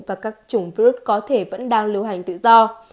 và các chủng virus có thể vẫn đang lưu hành tự do